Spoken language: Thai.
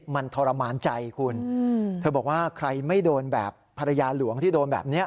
มันทรมานใจคุณเธอบอกว่าใครไม่โดนแบบภรรยาหลวงที่โดนแบบนี้